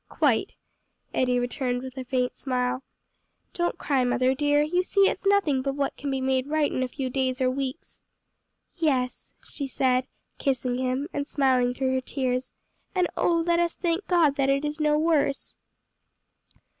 "Quite," Eddie returned with a faint smile. "Don't cry, mother dear, you see it's nothing but what can be made right in a few days or weeks." "Yes," she said, kissing him and smiling through her tears; "and oh, let us thank God that it is no worse!"